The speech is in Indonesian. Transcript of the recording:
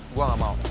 gue gak mau